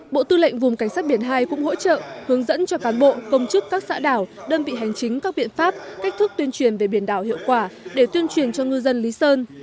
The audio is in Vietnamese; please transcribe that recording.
bộ tư lệnh vùng cảnh sát biển hai cũng hỗ trợ hướng dẫn cho cán bộ công chức các xã đảo đơn vị hành chính các biện pháp cách thức tuyên truyền về biển đảo hiệu quả để tuyên truyền cho ngư dân lý sơn